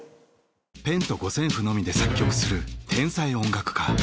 ペンと五線譜のみで作曲する天才音楽家